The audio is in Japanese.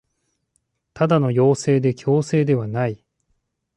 ただの要請で強制ではない